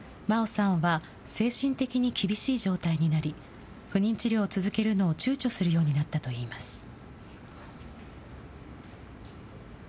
麻緒さんは、精神的に厳しい状態になり、不妊治療を続けるのをちゅうちょするようになったといいます。